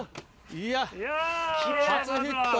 いや、初ヒット。